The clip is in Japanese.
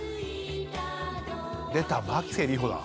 でた牧瀬里穂だ。